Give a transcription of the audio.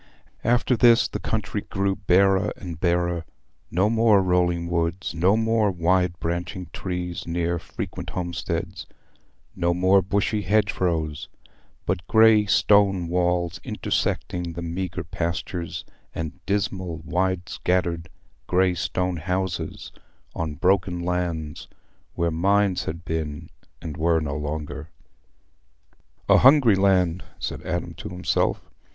After this, the country grew barer and barer: no more rolling woods, no more wide branching trees near frequent homesteads, no more bushy hedgerows, but greystone walls intersecting the meagre pastures, and dismal wide scattered greystone houses on broken lands where mines had been and were no longer. "A hungry land," said Adam to himself.